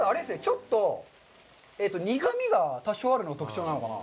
ちょっと苦みが多少あるのが特徴なのかな。